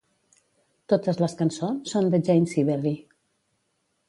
Totes les cançons són de Jane Siberry.